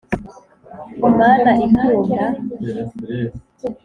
mana ikunda